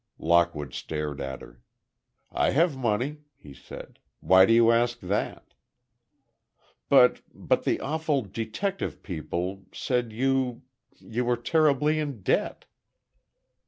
Lockwood stared at her. "I have money," he said; "why do you ask that?" "But—but the awful detective people—said you—you were terribly in debt."